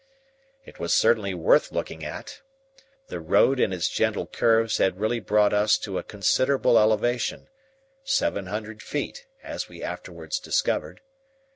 It was certainly worth looking at. The road in its gentle curves had really brought us to a considerable elevation seven hundred feet, as we afterwards discovered.